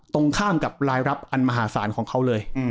ตรงข้ามกับรายรับอันมหาศาลของเขาเลย